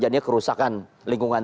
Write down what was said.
maksudnya kerusakan lingkungan